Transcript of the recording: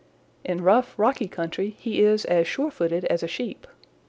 "In rough, rocky country he is as sure footed as a Sheep.